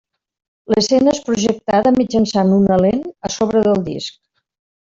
L'escena és projectada mitjançant una lent a sobre del disc.